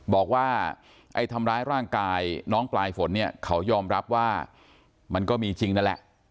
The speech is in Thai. บอกว่าไอ้ทำร้ายร่างกายน้องปลายฝนเนี่ยเขายอมรับว่ามันก็มีจริงนั่นแหละ